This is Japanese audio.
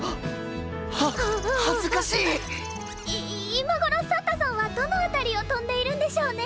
今頃サンタさんはどの辺りを飛んでいるんでしょうね？